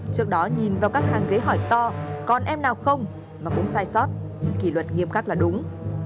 trước đó nhìn vào các hàng ghế hỏi to còn em nào không mà cũng sai sót kỷ luật nghiêm khắc là đúng